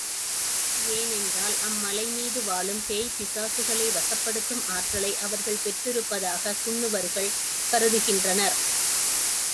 ஏனென்றால் அம்மலை மீது வாழும் பேய் பிசாசுகளை வசப்படுத்தும் ஆற்றலை அவர்கள் பெற்றிருப்பதாகக் குன்னுவர்கள் கருதுகின்றனர்.